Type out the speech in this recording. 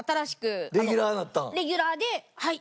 レギュラーではい。